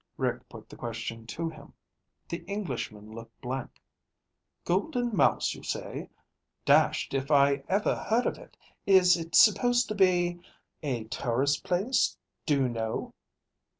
Rick put the question to him. The Englishman looked blank. "Golden Mouse, you say? Dashed if I ever heard of it. Is it supposed to be a tourist place do you know?"